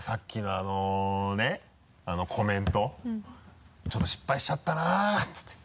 あのコメントちょっと失敗しちゃったな」って言って。